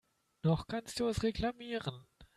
Noch kannst du es reklamieren.